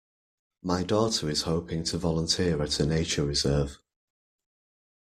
My daughter is hoping to volunteer at a nature reserve.